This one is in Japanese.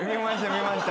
見ました。